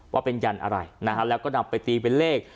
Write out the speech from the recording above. ว่าเป็นยันอะไรนะฮะแล้วก็นำไปตีเป็นเลข